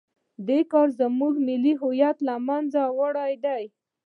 دې کار زموږ ملي هویت له منځه وړی دی.